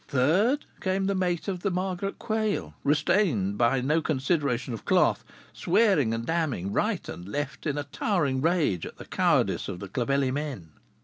Third came the mate of the Margaret Quail, restrained by no consideration of cloth, swearing and damning right and left, in a towering rage at the cowardice of the Clovelly men.